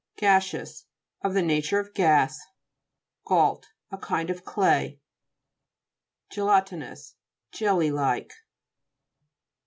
GA'SEOUS Of the nature of gas. GAULT A kind of clay (p. 71), GELA'TIITOUS Jelly like.